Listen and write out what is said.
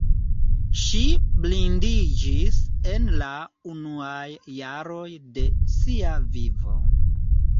Ŝi blindiĝis en la unuaj jaroj de sia vivo.